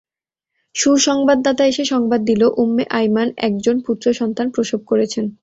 সুসংবাদদাতা এসে সংবাদ দিল, উম্মে আইমান একজন পুত্র সন্তান প্রসব করেছেন।